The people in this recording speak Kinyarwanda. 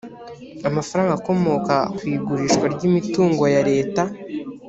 amafaranga akomoka ku igurishwa ry imitungo ya leta